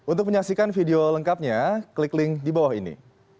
untuk menyaksikan video lengkapnya klik link di bawah ini